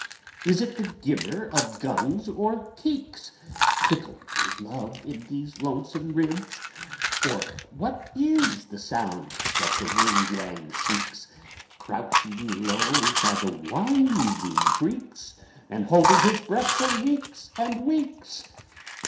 Is it the gibber of Gungs or Keeks? Tickle me, Love, in these Lonesome Ribs! Or what is the sound that the Whing Whang seeks? Crouching low by the winding creeks And holding his breath for weeks and weeks!